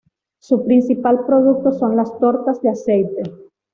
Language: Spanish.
Su principal producto son las tortas de aceite.